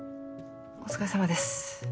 お疲れさまです。